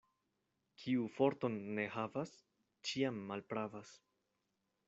Kiu forton ne havas, ĉiam malpravas.